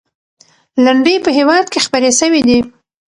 لنډۍ په هېواد کې خپرې سوي دي.